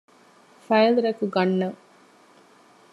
ފައިލް ރެކް ގަންނަން